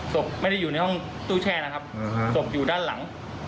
ศพไม่ได้อยู่ในห้องตู้แช่นะครับศพอยู่ด้านหลัง